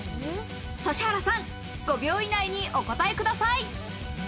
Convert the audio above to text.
指原さん、５秒以内にお答えください。